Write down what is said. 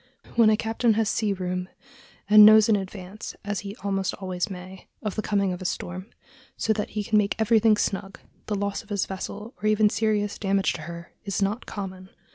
When a captain has sea room, and knows in advance, as he almost always may, of the coming of a storm, so that he can make everything snug, the loss of his vessel, or even serious damage to her, is not common.